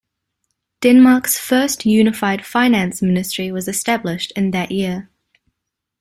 Denmark's first unified Finance Ministry was established in that year.